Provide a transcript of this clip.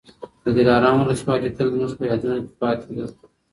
د دلارام ولسوالي تل زموږ په یادونو کي پاتې ده.